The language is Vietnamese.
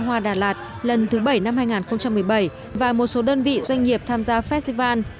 hoa đà lạt lần thứ bảy năm hai nghìn một mươi bảy và một số đơn vị doanh nghiệp tham gia festival